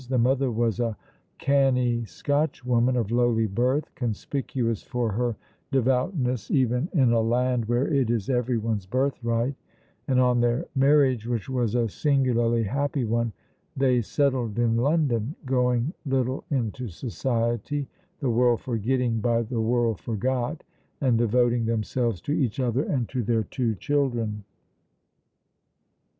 The mother was a canny Scotchwoman of lowly birth, conspicuous for her devoutness even in a land where it is everyone's birthright, and on their marriage, which was a singularly happy one, they settled in London, going little into society, the world forgetting, by the world forgot, and devoting themselves to each other and to their two children.